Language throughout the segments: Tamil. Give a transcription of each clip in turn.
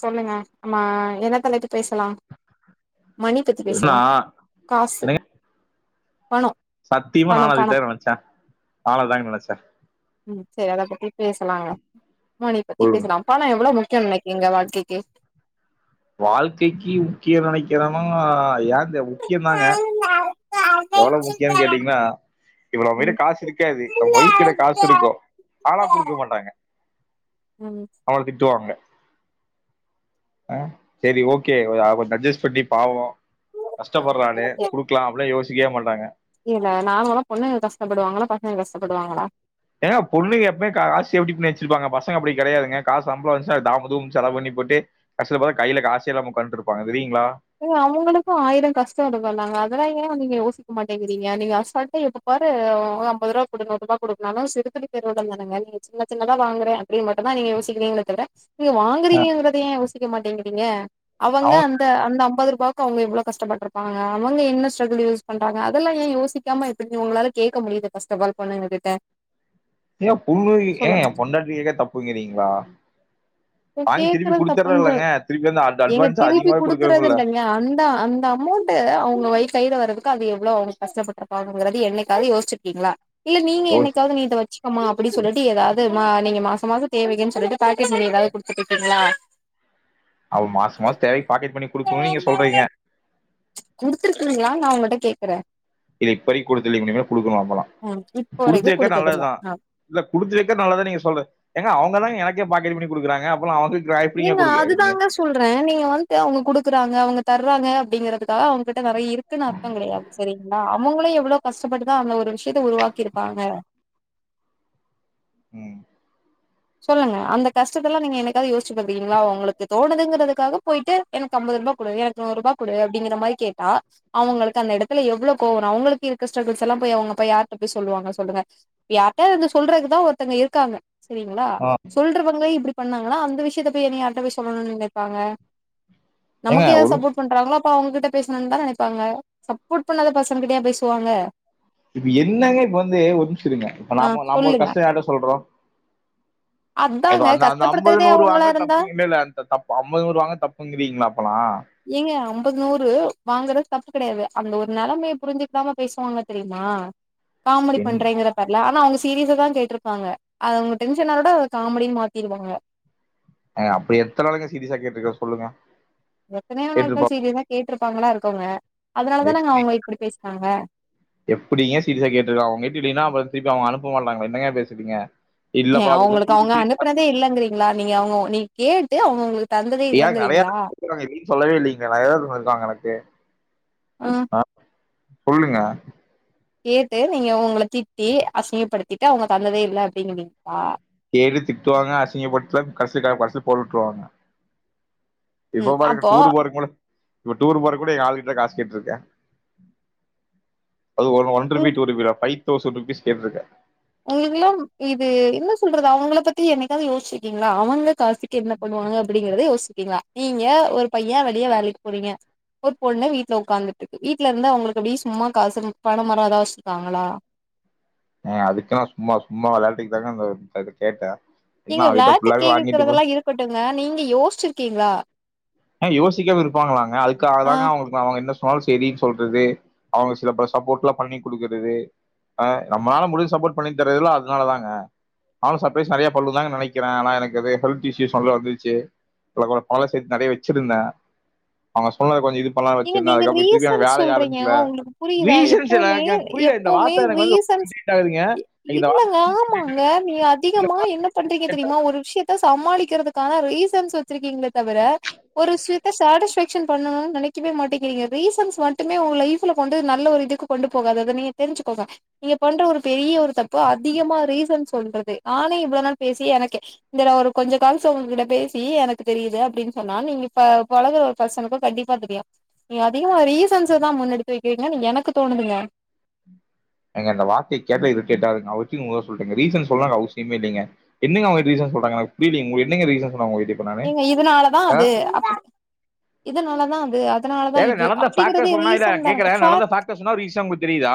சொல்லுங்க ஆமா என்ன தலைப்பு பேசலாம் மணி பத்தி பேசலா நான் காசு என்னங்க பணோ சத்தியமா பணோ நானோ அததா பணம் நெனைச்சே நானோ அததா நெனைச்சே உம் சரி அத பத்தி பேசலாங்க மணி பத்தி ஒரு பேசலாம் பணம் எவ்வளோ முக்க முக்யங்க வாழ்க்கைக்கு வால்க்கைக்கு கியோ நெனைக்கறனா ஏ முக்கியோ தாங்க எவ்வளவு முக்கியம்னு கேட்டீங்கன்னா [unintelligible] ம் காசு இருக்காது மொய்கான இருக்கும் காசு இருக்கோ ஆனா குடுக்க மாட்டாங்க ம் அவன திட்டுவாங்க ஆஹ் செரி ஓகே கொஞ்சம் அட்ஜஸ்ட் பண்ணி பாவோம் கஷ்டப்படுறானனு குடுக்கலாம் அப்படின் யோசிச்ச [unintelligible] மாட்டாங்க இல்ல நாமல்லாம் பொண்ணுங்க கஷ்டப்படுவாங்களா பசங்க கஷ்டப்படுவாங்களா ஏன்னா பொண்ணுக எப்பவுமே காசி எப்படிண்ணு வச்சிருப்பாங்க பசங்க அப்படி கிடையாதுங்க காச சம்பளம் வந்துச்சா தாமதும் செலவுபண்ணி போட்டு கசல கையில காசை எல்லாமக்கண்டுட்டு இருப்பாங்க சரிய அவங்களுக்கும் ஆயிரம் கஷ்டம் இருக்கும்லாங்க அதெல்லாம் ஏன் நீங்க யோசிக்க இருக்க மாட்டேங்கிறீங்க நீங்க அசல்டா எப்ப பாரு அம்பற்ப குடு நூறு குடு சிறு பேருோட தானங்க நீங்க சின்னின்னதான் வாங்குற அப்படின் மட்டும் தான் நீங்க யோசிக்கிறங்கிலே தவிர நீங்க வாங்குறீங்கறத சிக்க மாட்டேங்குறிங்க அவங்க அந்த அந்த அம்பது ரூபாவுக்கு அவங்க எவ்ள கஷப்பட்டிருப்பாங்க அவங்க என்ன ஸ்ட்ரகுல் யூஸ் பண்றாங்க அதெல்லாம் ஏ யோசிக்காம எப்படி நீ உங்களால கேட்க முடியது [unintelligible] ஆப் பொண்ணுங்கிட்ட ஏண்ண ஏ பொண்டாடிே தப்புங்கிறீங்களா வாங்கி திருப்பி கேக்குறது குடுத்தற தப்புன்னு இல்ங்க திருப்பி வந்து ஏங்க அட்வான்ஸ் திருப்பி அதிகமாக குடுக்க குடுக்குறது இல்லைங்க அந்த அந்த அமௌண்ட் அவங்க கைல வர்துக்கு அது எவ்ளவு அவங்க [unintelligible] என்னைக்காவது யோச்சிருக்கீங்களா இல்ல நீங்க ரோஸ் என்னைக்காவது நீ வச்சு மா அப்படின்னு சொல்லிட்டு ஏதாவதுமா நீங்க மாச மாசம் தேவைன்னு சொல்லிட்டு பகிட் மணி ஏதாவது குடுத்துட்டுக்கீங்களா அவ மாச மாசம் தேவை பாக்கெட் பண்ணி கொடுக்கணும்னு நீங்க சொல்றீங்க குடுத்துருக்கீங்களா நா உங்ககிட்ட கேக்குறேன் இல்ல [unintelligible] முடியடுக்கணாம்டுத்து இப்போ வரைக்கும் வைக்க குடுத்ததில்ல நல்லதுதான் இல்லடுத்து வைக்கல்ல நீங்க சொல் அவங்கதான் எனக்கு பாக்கட் மணி கொடுக்கறாங்க அபுறம் அவங்கக்கு நீங்க அதுதாங்க சொல்றேன் நீங்க வந்துட்டு அவங்க குடுக்குறாங்க அவங்க தர்றாங்க அப்படிங்கறிறதுக்காக அவங்ககிட்ட நிறைய இருக்குன்னு அர்த்தம் கிடையாது செரிங்களா அவங்களும் எவ்வளவு கஷ்டப்பட்டுதான் அந்த ஒரு விஷயத்த உருவாக்கி இருப்பாங்க உம் சொல்லுங்க அந்த கஷ்டத்த எல்லாம் நீங்க எனக்காவது யோச ங்களா உங்களுக்கு தோணதுங்க துக்காக போயிட்டு எனக்கு ஐம்பது கொடு எனக்கு நூறு கொடு அப்படிங்க மாதிரி கேட்டா அவங்களுக்கு அந்த இடத்துல எவ்ள கோவம் அவங்களுக்கு இருக்க ஸ்டர்குல்ஸ் எல்லாம் அவங்க் யாரிட்ட போய் சொல்லுவாங்க சொல்லுங்க யாரிட்டயாது சொல்றதுதான் ஒருத்தங்க இருக்காங்க செரிங்களா ஆ சொல்றவங்க இப்படி பண்ணாங்களா அந்த விஷயத்தய என்ன யார்கிட்டய் சொல்லணும்னு நினைக்காங்க ஏங்க நமக்கு ஏதாவது ஒரு சப்போர்ட் பண்றாங்களோ அப்ப அவங்ககிட்ட பேசுணும்னு தான் நினைப்பாங்க சப்போர்ட் பண்ணாத பசங்க கிட்டயே பேசுவாங்க இப்ப என்னங்க இப்ப வந்து ஒருநிமிஷமிருங்க இப்ப ஆ நாம நாமம ஒரு சொல்லுங்க கஷ்டம் யிட்ட சொல்றோம் அத அதாங்க அந்த அந்த ஐம்பது கஷ்டப்படுத்துறதே நூறு அவங்களா வாங்க இருந்தா தப்பு இல்ல ல அந்த தப்பு ஐம்பது நூறு வாங்க தப்புங்கிறீங்களா அப்பல்லாம் ஏங்க ஐம்பது நூறு வாங்குறது தப்பு கிடையாது அந்த ஒரு நிலைம புரிஞ்சுிக்கலாம பேசுவாங்க தெரியுமா காமெடி என் பண்றேங்கற பேருல ஆனா அவங்க சீரியஸா தான் கேட்டிருப்பாங்க அ அவங்க டென்ஷனாலத காமெடினு மாத்திருவாங்க அஹ் அப்படி எத்தனை ஆளுங்க சீரியஸா கேட்டுருக்கன் சொல்லுங்க எத்தனையோ நாட்கள் சீரியஸா கே இருப்பாங்களா இருக்கங்க எப்படிங்க சீரியஸா கேட்டுருக்கா அவங்க கேட்டு இல்லைன்னா அப்புற திருப்பி அவங்க அனுப்ப போக மாட்டாங்கள என்னங்க பேசுறீங்க ஹ இல்லப்பா அப்படிதான் அவங்களுக்கு அவங்க திருப்பி அனுப்புறதே இல்லைங்கறீங்களா நீங்க அவங்க நீ கேட்டு அவங்கவங்களுக் ஏ நிறையாருக்காங்க இம் சொல்லவே இல்லைங்க நிறைய வந்திருக்காங்க எனக்கு ஆ ஆஹ் சொல்லுங்க கேட்டு நீங்க உங்களை திட்டி அசிங்கப்படுத்திட்டு அவங்க தந்ததே இல்லை அப்படிங்கிறீங்களா டெய்லி திட்டுவாங்க அசிங்கப்படத்துல கடைசில பஸ்ல போட்டு விட்டுருவாங்க இப்போ ம் பாருங்க அப்போ டூரு போறதக்கு மொதல இப்ப டூர் போற கூட என் ஆல் கிட்ட காசு கேட்டு இருக்கேன் அது ஒ உங்க ஒன்ருபி டூருப்பி த்தான் பை தோஷண்ட் ருப்பீஸ் கேட்ருக்கேன் உங்களுக்குல்லா இது என்ன சொல்றது அவங்கள பத்தி என்னைக்காவது யோச்சிருக்கீங்களா அவங்க காசுக்கு என்ன பண்ணுவாங்க அப்படிங்கறத யோச்சிருக்கீங்களா நீங்க ஒரு பையன் வெளிய வேலைக்கு போறீங்க ஒரு பொண்ணு வீட்டுல உட்காந்துட்டு இருக்கு வீட்டுல இருந்து அவங்களுக்கு அப்படியே சும்மா காசு பணம் மரம் ஏதாவது வச்சுிருக்காங்களா ஹ் அதுக்கல்லா சும்மா சும்மா விளையாட்டுக்கு தான கேட்டேன் நீங்க நான் அவகிட்ட வெளையாட்டுக்கு ஃபுல்லாவே வாங்கிட்டு கேக்குக்கறதெல்லா இருக்கட்டுங்க நீங்க யோசிச்ருக்கீங்களா ஹ யோசிக்காம இருப்பாங்களாங்க அதுக்காக ஆ தா அவங்களுக்கு அவங்க என்ன சொ செரினு சொல்றது அவங்க சிலபல சப்போர்ட்ல பண்ணிகொடுக்குறது நம்மளால முடுஞ்ச சப்போர்ட் பண்ணிதறது அதனாலதாங்க நானும் சர்ப்ரைஸ் நெறைய பண்ணனும்னு தான் நினைக்கிறேன் ஆன எனக்கு நெறைய ஹெல்த் இஸ்ஸுசஸ் வந்துருச்சு [unintelligible] வச்சுருந்தேன் அவங்க சொன்ன கொஞ்சம் இது பண்ணலாம்னு ங்க வச்சிருந்தேன் நீங்க அதுக்கப்புறம் திருப்பி அங்க ரீசன் வேலைய சொல்றீங்க ஆரம்பிக்கல உங்களுக்கு புரியுதா ரீசன்ஸ் எப்பவுமே எனக்கு எனக்கு புரியல இந்த எப்பவுமே வார்த்த எனக்கு வந்து ரீசன் இரிட்டேட் ஆகுதுங்க இந்த இல்லங்க ஆமாங்க நீங்க வார்த்தைய அதிகமா என்ன பண்றீங்க தெரியுமா ஒரு விஷயத்த சமாளிக்க இருக்கிறதுக்கான ரிசன்ஸ் வச்சிருக்கீங்களே தவிர ஒரு [unintelligible] சன் பண்ணணும்னு நினை வே மாட்டேங்கிறீங்க ரீசன்ஸ் மட்டுமே உங்க லைஃப்ல கொண்டு நல்ல ஒரு இதுக்கு கொண்டு போகாததுஅத நீங்க தெரிஞ்சுக்கோங்க நீங்க பண்ற ஒரு பெரிய ஒரு தப்பு அதிகமா ரீசன் சொல்றது ஆனா இவ்ளவு நாள் பேசி எனக்கு இந்த ஒரு கொஞ்ச கால்ஸ் உங்ககிட்ட பேசி எனக்கு தெரியுது அப்படின்னு சொன்னா நீங்க இப்ப பழகுற ஒரு பர்சனுக்கு கண்டிப்பா தெரியு நீ அதிகமா ரீசன்ஸ் தான் முன்னெடுத்து வைக்கிறீங்க நீங்க எனக்கு தோணுதுங்க எங்க இந்த வார்த்தைய கேட்டாலே இரிடேட் ஆகுதுங்க வச்சுருங்க மொத சொல்லிட்டேன் ரீசன் சொல்லணும்னு அவசியமே இல்லைங்க என்னங்க ரீசன் சொல்ராங்க எனக்கு புரியலைங்க சொன்னாங்க உங்ககிட்ட இப்ப நானு நீங்க இதனாலதான் ஆ அது இதனாலதான் அது அதனாலதா ஏங்க இது நலந்த அப்டிங்கறதே ஃபாக்டர் சொன்னா இல்ல ரீசன் இப்ப தானுங்க கேக்குறேன் ஃபார் நலந்த ஃபாக்டர் சொன்னா ரீசனா உங்களுக்கு தெரியுதா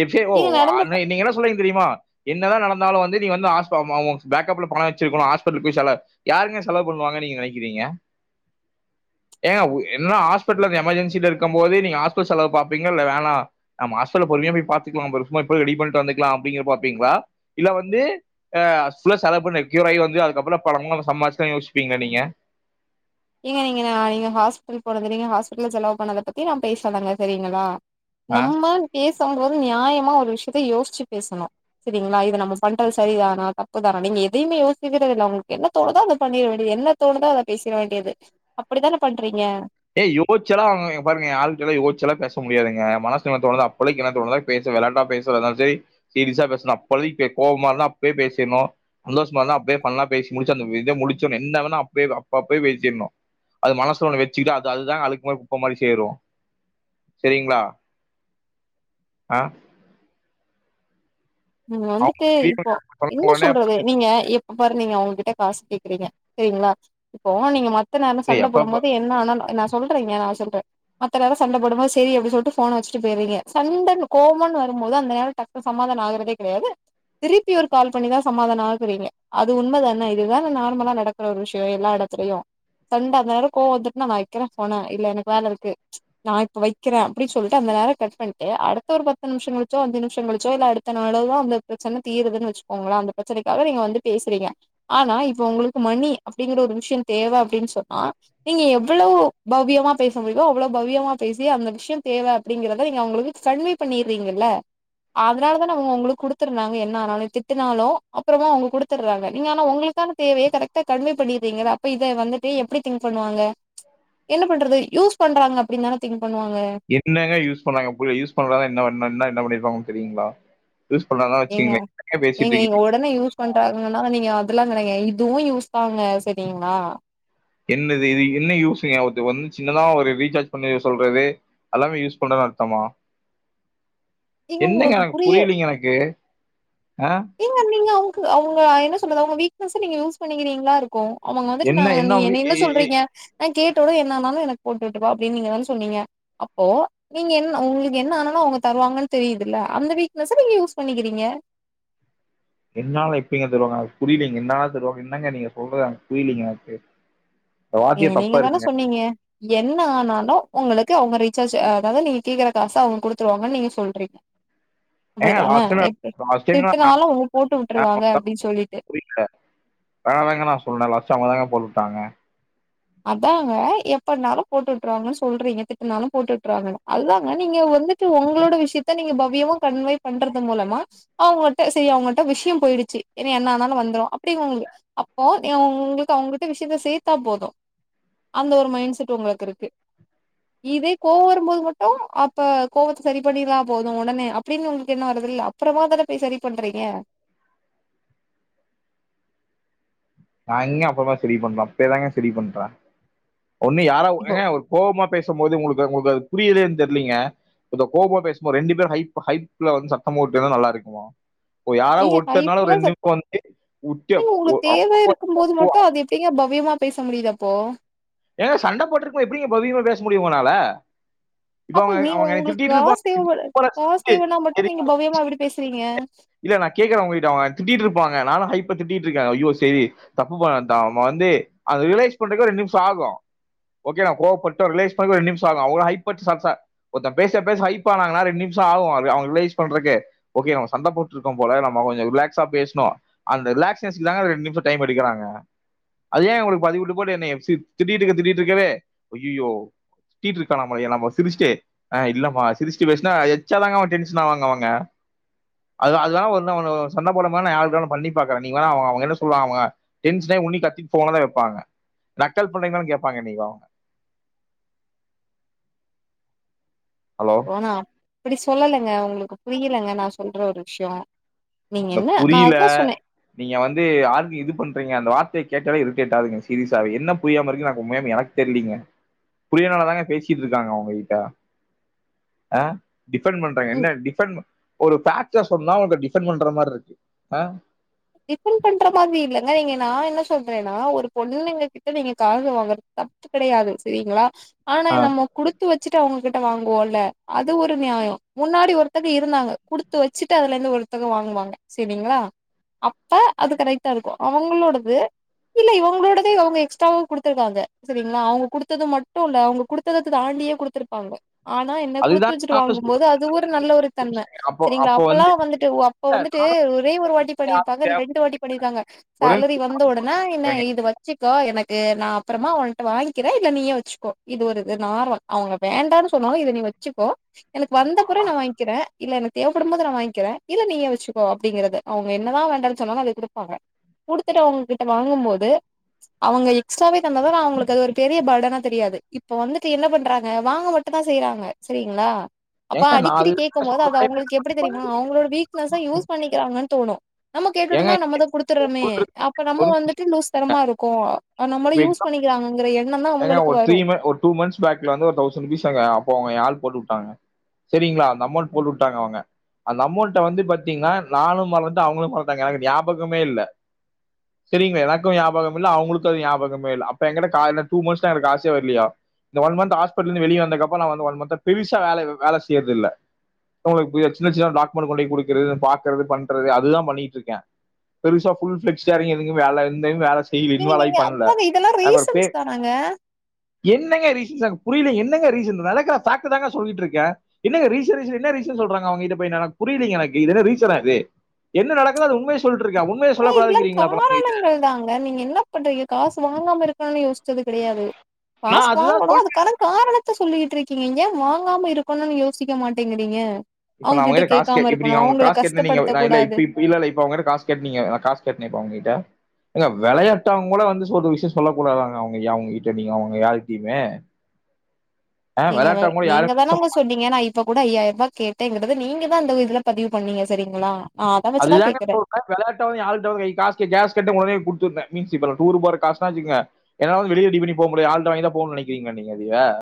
எப் ஜெ ஒ நீங்க அ நடந்த நீங்க என்ன சொன்னிங்க தெரியுமா என்னத நடந்தாலும் வந்து நீங்க ஹாஸ் ஹ பேக்கப்ல பணம் வச்சுருக்கணும் ஹாஸ்பிடல் செல யாருங்க செலவு பண்ணுவாங்க நீங்க நெனைக்கிறிங்க ஏங்க என்ன ஆ ஸ் ஹாஸ்பிட்டல எமர்ஜென்சில இருக்கு போது நீங்க ஹாஸ்பிடல் செலவு பாப்பீங்கள இல்ல வேணா நாம ஹாஸ்பல்ல பொறுமையா போயி பாத்துக்கலாம்மா எப்ப ரெடி பண்ணிட்டு வந்துக்கலாம் அப்படிங்க பாப்பீங்களா இல்ல வந்து ஹஸ்லா செலவு பண்ணி கியூர் ஆகி வந்து அதுக்கப்புறம் பல [unintelligible] யோசிப்பீங்களா நீங்க ஏங்க நீங்க நீங்க ஹாஸ்பிடல் போனதுங்க ஹாஸ்பிடல் செலவ் பண்ணத பத்தி நான் பேசுலங்க சரிங்களா ஆஹ் நம்ம பேசம்போது நியாமா ஒரு விஷயத்தை யோசிச்சி பேசுமனும் சரிங்களா இது நம்ம பண்றது செரிதான தப்புதான நீங்க எதையுமே யோசிக்கிறதுல என்ன தோணுதோ அத பண்ணிராதீங்க வேண்டியது என்ன தோணுதோ அத பேசிற வேண்டி து அப்படித்தான பண்றீங்க ஏன் யோச்சால அவங்க பாருங்க யாருகிட்ட யோச்சா பேச முடியாதுங்க மனசுல தோணுறது அப்போைக்கு என்ன தோணுதோ பேச விளா பேசாலும் சீரியஸா பேசணும் அப்போ கோவமா இருந்தா அப்பே பேசிடணும் சந்தோஷமா இருந்தா அப்படியே பண்ணலாம்சி முடிச்சு அந்த இத முடிச்சுடனும் என்னன்னா அப்பேப்ப அப்பயே பேசிடணும் அது மனசுல அ அதுதான் அழுக்கு மாதி குப்ப மாதிரி சேரும் சரிங்களா அ உம் வந்துட்டு இப்போ சொன்ன என்ன உடனே சொல்றது நீங்க அப்பற நீங்க அவங்ககிட்ட காசு கேக்குறீங்க சரிங்களா இப்போ நீங்க பா நான் ஏய் எப்பப்ப சண்டப்போடும்போது என்ன ஆன சொல்றீங்க சொ மத்த நேரம் சண்ட போடும் போது சரி அப்படினு ஃபோன வச்சுட்டு போயிரிங்க சண்ட கோபனு வரும் போது அந்த நேரம் சமாதானம் ஆற கிடையாது திருப்பி ஒரு கால் பண்ணிதா சமாதானம் ஆகுரிங்க அது உண்மதான இது நார்மலா நடக்கிற ஒரு விஷயம் எல்லா இடத்துலயும் சண்ட போட்ற கோவப்பட்டு வைக்கிறேன் ஃபோன இல்ல எனக்கு வேல இருக்கு நா இப்ப வைக்கிறேன் அப்படினு சொல்லிட்டு அந்த நேரம் கட் பண்ணிட்டு அடுத்த ஒரு அஞ்சு நிமிஷம் கழிச்சோ பத்து நிமிஷம் கழிச்சோ இல்ல அடுத்த நாளோ அந்த பிரெச்சனை தீந்துனு வச்சுக்கோங்களா அந்த பிரச்னைனக்காக நீங்க வந்து பேசுனிங்க ஆனா இப்ப உங்களுக்கு மணி அப்படிங்க ஒரு விஷயம் தேவ அப்டினு சொன்னா நீங்க எவ்ளவு பவியமா பேச முடியோ அவளவு பவியமா பேசி அந்த விஷய தேவ அவுங்கங்களுக்கு கண்வை பண்ணீரீங்கள அத உங்களுக்கு குடுதிருந்தாங்க என்ன ஆனாலும் திட்டுனாலும் அப்றோமா அவங்க குடுதுறாங்க ஆனா உங்களுக்கு தான தேவையே கரெக்டா கண்வே பண்ணிறீங்கள அப்ப இத வந்துட்டு எப்படி திங்க் பண்ணுவாங்க என்ன பண்றது யூஸ் பண்றாங்க அப்டி தான திங்க் பண்ணுவாங்க என்னங்க யூஸ் பண்றா பு யூஸ் பண்றனன என்ன பண்ணிரு தெரியீங்களா ஏங்க ஏங்க நீங்க உடனே யூஸ் பண்றாங்கன்னா நீங்க அதல்லாம் கிடைய இதுவும் யூஸ் தாங்க சரிங்களா என்னது இது என்ன யூஸ்ங்க வந்து சின்னதா ஒரு ரீசார்ஜ் பண்ணி சொல்றது எல்லாமே யூஸ் பண்றன்னனு அர்த்தமா ஏங்க என்னங்க உங்களுக்கு எனக்கு புரிய புரியலீங்க எனக்கு ஆ ஏங்க நீங்க அவங்க என்ன சொல்றது அவங்க வீக்னஸ் நீங்க யூஸ் பண்ணிக்கீங்களா இருக்கும் அவங்க வந்துட்டு என்ன நான் நீ உங்க என்ன என்ன எ எ எ- சொல்றீங்க நான் கேட்டோட என்ன ஆனாலும் எனக்கு போட்டு விட்டுப்ப அப்படின்னு நீங்கதான சொன்னீங்க அப்போ நீங்க என்ன உங்களுக்கு என்ன ஆனாலும் அவங்க தருவாங்கன்னு தெரியுதல்ல அந்த வீக்னஸ் நீங்க யூஸ் பண்ணிக்கிறீங்க என்னால இப்பங்க தருவாங்க அது புரியலைங்க என்னால தருவாங்க என்னங்க நீங்க சொல்றது புரியலைங்க எனக்கு இந்த வார்த்தையே ஏங்க நீங்க தப்பா தான இருக்குங்க சொன்னீங்க என்ன ஆனாலும் உங்களுக்கு அவங்க ரீசார்ஜ் அதாவது நீங்க கேக்குற காசு அவங்க குடுத்துருவாங்கன்னு நீங்க சொல்றீங்க [unintelligible] ஏங்க அப்படிதான எப்டி திட்டுனாலு அவங்க போட்டு விட்டுருவாங்க அப்டின்னு சொல்லிட்டு வேணா தாங்க நான் சொல்றேன் லாஸ்ட அவங்கதாங்க போ விட்டாங்க அதாங்க எப்படனாலும் போட்டு விட்டுருவாங்கன்னு சொல்றீங்க திட்டனாலும் போட்டு விட்டுறாங்கன்னு அதாங்க நீங்க வந்துட்டு உங்களோட விஷயத்த நீங்க பவ்யமா கன்வை பண்றது மூலமா அவங்கிட்ட சரி அவங்க்ட விஷயம் போயிடுச்சு ஏன்ன என்னனாலும் வந்துரும் அப்படி உங்களுக்கு அப்போ உங்களுக்கு அவங்கிட்ட விஷயத்த சேத்தா போதும் அந்த ஒரு மைண்ட் செட் உங்களுக்கு இருக்கு இதே கோவம் வரும்போது மட்டும் அப்ப கோவத்தை சரி பண்ணதா போதும் உடனே அப்படின்னு உங்களுக்கு என்ன வரதுல்லை அப்புறமா தான போய் சரி பண்றீங்க நாங்க அப்புறதான் சரி பண்றோம் அப்பவே தாங்க சரி பண்றேன் ஒன்னு யாரா இப்போ ஒரு கோபமா பேசும்போது உங்களுக்கு உங்களுக்கு புரியுது தெரியலங்க கோபமா பேசும்போது ரெண்டு பேர்ல ஹைப்ல வந்து சண்ட போட்டுருந்த நல்லா இருக்குமா யாரா நீங்க ஒருத்தனாலும் ஹைப்லா ரெண்டுக்கும் வந்து விட்ட இருக்கும் போது மட்டும் அது எப்படிங்க ப வேகமா பேச முடியுதப்போ ஏன்ன சண்டை போட்டிருக்கோம் எப்படி பவியமா பேச முடியும் முடியும் உங்களால இப்போ அப்போ அவங்க நீ அவங்க என்னை உங்களுக்கு திட்டிட்டு இருப்பாங்க காசவை சூப்பரா சிரிச்சு, காசவனா மட்டும் சரி நீங்க பவியமா எப்படி பேசுறீங்க இல்ல நான் கேேன்ங்கிட்ட திட்டு இருப்பாங்க நானும் ஐப்ப திட்டிட்டு இருக்கேன் ஐயோ சரி தப்பு பண்ணிட்டோம் தப்பு அவங்க வந்து அத ரினலைஸ் பண்றதுக்கு இரண்டு நிமிஷம் ஆகும் ஓகே நம்ப கோபப்பட்டுவிட்டோம் ரியலைஸ் பண்றதுக்கு இரண்டு நிமிஷம் ஆகும் அவ்ளோ ஹைபெட் ஒருத்தன் பேச பேச ஹாய் ஆனாங்கன்னா ரெண்டு நிமிஷம் ஆகும் ரேனலைஸ் பண்றதுக்கு ஓகே நாங்க சண்டை போட் இருக்கும் போல நம்ம கொஞ்சோ ரிலாக்ஸா பேசணு அந்த ரிலாக்சேஷனுக்காக ரெண்டு நிமிஷ டைம் எடுக்குறாங்க அது ஏன் என்ன போட்டு இப்படி இம்ச திட்டிட்டு இருக்க திட்டிட்டு இருக்க ஐயையோ திட்டிட்டு இருக்னமா நாம எங்க சிரிச்சிட்டு இல்லம்மா எங்க சிரிச்சிட்டு பேசினா வச்சா தாங்க டென்ஷன் ஆவாங்க அவங்க அது அ அதெல்லாம் வ அவன் சொந்த ம போலமான நான் ஆய்க பண்ணி பாறேன் நீ வேணா அவங்க அவங்க என்ன சொல்லலாம் அவங்க டென்ஷனே உன்னண்ணி கத்திட்டு போனதான் வைப்பாங்க நக்கல் பண்ணைங்களனு கேட்பாங்க நீங்க அவங்க ஹலோ யோ நா அப்படி சொல்லலங்க புரியலங்க நா சொல்ற ஒரு விஷயோ இந்த புரியல நீங்க வந்து யாருக்கு இது பண்றீங்க அந்த வார் த்த கேட்டாலே இரிடேட் ஆகுதுங்க சீரியஸவே என்ன புரியாம இருக்கு நாங்க உன்மையாமே எனக்கு தெரியலீங்க புரியனால தாங்க பேசிட்டு இருக்காங்க உங்ககிட்ட ஆஹ டிஃபெண்ட் பண்றாங்க என்ன ம் டிஃபெண்ட் ஒரு ஃபேக்ட் சொன்னா உங்கடி டிபன் பண்ற மாதிரி இருக்கு ஹம் டிபன் பண்ற மாதிரி இல்லைங்க நீங்க நா என்ன சொல்றேன்னா ஒரு பொண்ணுங்க கிட்ட நீங்க காசு வாங்கறது தப்பு கிடையாது சரிங்களா ஆனா ஆ. நம்ம குடுத்து வச்ச ச்சுட்டு அவங்ககிட்ட வாங்குவோல அது ஒரு நியாயோ முன்னாடி ஒருத்தக இருந்தாங்க குடுத்து வச்சுட்டு அதுல இருந்து ஒருத்தக வாங்குவாங்க சரிங்களா அப்ப அது கரெக்ட்டா இருக்கு அவங்களோடது இல்ல இவங்களோடதே அவங்க எக்ஸ்ட்ராவ கொடுத்தருக்காங்க சரிங்களா அவங்க கொடுத்தது மட்டும் இல்ல அவங்க கொடுத்ததக்கு தாண்டியே கொடுத்துருப்பாங்க ஆனா என்ன குடுத்து அதுதான் வச்சுட்டு நானும் சொல்றேன் வாங்கும்போது அது ஒரு நல்ல ஒரு தன்ம அப்போ சரிங்களா அப்போ அப்பல்லா வந்து வந்துட்டு அப்ப இல்ல, வந்துட்டு நானும் ஒரே ஒரு வாட்டி யாரும் பண்ணிருப்பாங்க தேவை- ரெண்டு வாட்டி பண்ணிருக்காங்க ஒரு சலரி வந்த உடனா நிமிஷம் என்ன ஏங்க இது வச்சு வச்சுக்கோ எனக்கு நா அப்புறமா அவன்ட வாங்கிக்கிற இல்ல நீயே வச்சுக்கோ இது ஒரு இது நார்மல் அவங்கள வேண்டான்னு சொன்னும் இத நீ வச்சுக்கோ எனக்கு வந்தபுரோ நா வாங்கிக்கிற இல்ல எனக் தேவைப்படும் போது நா வாங்கிக்கிற இல்ல நீயே வச்சுக்கோ அப்படிங்கறிறது அவங்க ங்க என்னதா வேண்டானு சொன்னாலு அதா குடுப்பாங் குடுத்துட்டு அவங்ககிட்ட வாங்கும்போது அவங்க எக்ஸ்ட்டாவே தந்தான அவங்களுக்கு அது ஒரு பெரிய பர்டன தெரியாது இப்ப வந்துட்டு என்ன பண்றாங்க வாங்க மட்டு தா செய்யறாங்க சரிங்களா அப்ப ஏங்க, நான் அடிக்கடி கேட்கும் அதுதான் போது அது சொல்றேன் அவங்களுக்கு எப்படி தெரியுமா அவங்களோட வீக்னஸ்சா யூஸ் பண்ணிக்கிறாங்கன்னு தோணு நம்ம ஏங்க கேட்டும்ந்தா நம்மதா குடுத்துடுறோமே சொல்றீங்க. அப்ப நம்ம வந்துட்டு லூஸ் தரமா இருக் கோவ [inaudible] எங்க அவங்களுக்கு ஒரு த்ரீ வரு மன்த் ஒரு டூ மந்த்ஸ் பேக்ல வந்து ஒரு தவ்சன் ருபீஸ் தாங்க அப்போ அவுங்க ஏ ஆல் போட்டு வுட்டாங்க சரிங்களா அந்த அமௌன்ட் போட்டு விட்டாங்க அவங்க அந்த அமௌன்ட வந்து பாத்தீங்கன்னா நானு மறந்துட்ட அவங்களு மறந்துட்டாங்க ஞாபகமே இல்லை சரிங்களா எனக்கு ஞாபகமில்ல அவங்களுக்கு டுத்தது ஞாபகமே இல்ல அப்ப என்கிட்ட காலைல டூ மச் தா இருக்கு காசு இல்லையா இந்த ஒன் மந்த் ஹாஸ்பிடல் இருந்து வெளியே வந்ததுக்கு அப்ரோ வந்து நா வந்து பெருசா வேல செய்யறது இல்ல உங்களுக்கு புரியாது சின்ன சின்னதா டாக்குமெண்ட் கொண்டு போய் கொடுக்கிறது பார்க்கிறது பண்றது அதுத பண்ணிட்டு இருக்க பெருசா ஃபுல் ஃபோக்கஸ்டா இறங்கி எதிலுமே வேல செய் சரி இவ இன்வால் ஆயி அதங்க இதெல்லா ரீசன்ஸ் தானங்க என்னங்க ரீசன்ஸ் எனக்கு புரியல என்னங்க ரீசன் நடக்கிற ஃபேக்ட தாங்க சொல்லிட்டு இருக்க என்னங்க ரீசன் ரீசன் என்ன ரீசன் சொல்றாங்க அவங்க கிட்ட போய் புரியலைங்க எனக்கு என்ன ரீசனா இது என்ன நடக்குது அது உண்மையா சொல்லிட்டு இருக்கேன் உண்மையை ஏ இதுல சொல்லக்கூடாதுங்கிறீங்களா அப்ப அவங்க கிட்ட காரணங்கள் தாங்க நீங்க என்ன பண்றீங்க காசு வாங்காம இருக்கான யோஷ்சி சது கிடையாது நான் பாசு அதுதான் வாங்கணு சொல்லிட்டு அதுக்கான காரண சொல்லிட்டுருக்கீங்கிங்க வாங்காம இருக்கணும்னு யோசிக்க மாட்டேங்குறீங்க இப்ப நாஅவங்க காசு கேட் இப்ப நீங் அவுங்க காசு கேட் நீங்க நா கஷ்டப்படுத்தக் இல்ல கூடாது இப் இப்ப இல்லல நா அவுங்கட் காசு கேக் நீங்க காசு கட்னியாப அவங்ககிட்ட ஏங்க விளையாட்டாவுங்க கூட வந்து சொ ஒரு விஷயம் சொல்ல கூடாதாங்க அவங்க அவங்ககிட்ட நீங்க அவுங்க யார்கிட்டியுமே நீங்க நீங்கதானங்க சொன்னீங்க நா இப்ப கூட ஐயாயிரரூபா கேட் டேங்கிறத நீங்கதா அந்த இதுல பதிவு பண்ணீங்க சரிங்களா நா அத வச்சுதா அதுதாங்க கேக்குறே இப்ப ஒரு டைம் வெளையாட்டாவு யார்கிட்டவு கை காசு கே கேஸ் கேட்டா உடனே குடு துன்ன மீன்ஸ் இப்ப நா டூரு போறக் காசுனா வச்சிக்குங்க என்னால வந்து வெளில ரெடி பண்ணி போமுடியாது ஏ ஆள்ட்ட வாங்கிதா போணுனு நெனைக்கிறீங்களா நீங்க அதுவே